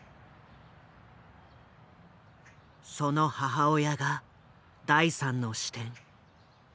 その母親が第３の視点。